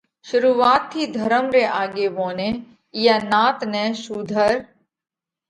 شرُوعات ٿِي ڌرم ري آڳيووني اِيئا نات نئہ شُوڌر